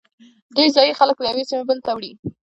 دوی ځایی خلک له یوې سیمې بلې ته وړي